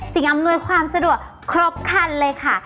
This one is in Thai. อำนวยความสะดวกครบคันเลยค่ะ